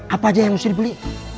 apa aja yang mesti dibeli